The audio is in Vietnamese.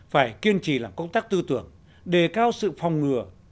phải kiên trì làm công tác tư tưởng đề cao sự phòng ngừa